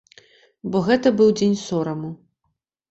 Бо гэта быў дзень сораму.